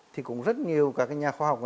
thì cũng rất nhiều các nhà khoa học